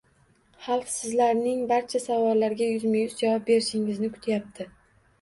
Xalq sizlarning barcha savollarga yuzma yuz javob berishingizni kutyapti.